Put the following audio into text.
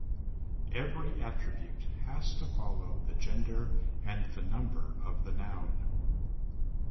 Every attribute has to follow the gender and the number of the noun.